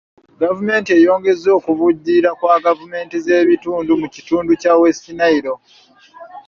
Gavumenti eyongezza okuvujjirira kwa gavumenti z'ebitundu mu kitundu kya West Nile.